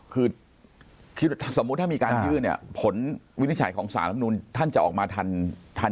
คือคิดสมมุติถ้ามีการยื่นเนี่ยผลวินิจฉัยของสารลำนูนท่านจะออกมาทัน